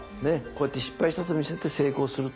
こうやって失敗したと見せて成功する。